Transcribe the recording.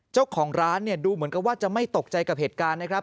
เจ้าของร้านเนี่ยดูเหมือนกับว่าจะไม่ตกใจกับเหตุการณ์นะครับ